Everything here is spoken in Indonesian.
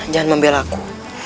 jangan membela aku